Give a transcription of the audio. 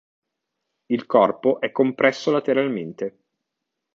Il corpo è compresso lateralmente.